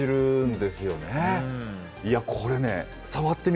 ですよね。